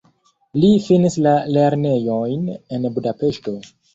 Li finis la lernejojn en Budapeŝto.